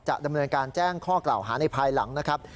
ดำเนินการแจ้งข้อกล่าวหาในภายหลังนะครับ